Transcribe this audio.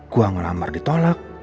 gue ngelamar ditolak